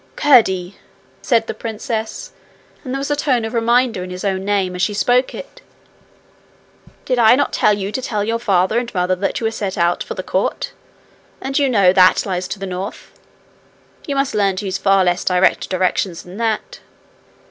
'Curdie!' said the princess, and there was a tone of reminder in his own name as she spoke it, 'did I not tell you to tell your father and mother that you were to set out for the court? And you know that lies to the north. You must learn to use far less direct directions than that.